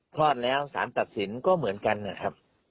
คลอดแล้วสารตัดสินก็เหมือนกันนะครับ